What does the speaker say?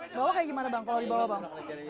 di bawah bawa kayak gimana bang kalau di bawah bang